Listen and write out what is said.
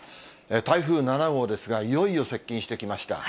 台風７号ですが、いよいよ接近してきました。